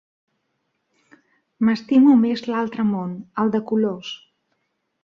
M'estimo més l'altre món, el de colors.